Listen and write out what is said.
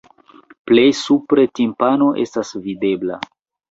Plej supre timpano estas videbla.